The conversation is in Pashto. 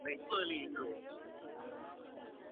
که د دغه حديث شريف په مفاهيمو کي غور وکړو.